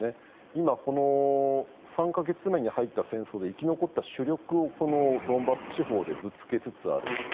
今、この３か月目に入った戦争で生き残った主力をこのドンバス地方でぶつけつつあると。